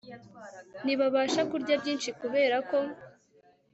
ntibabasha kurya byinshi kubera ko